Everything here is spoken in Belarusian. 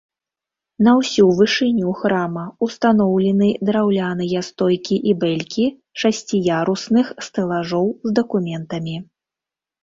На ўсю вышыню храма ўстаноўлены драўляныя стойкі і бэлькі шасціярусных стэлажоў з дакументамі.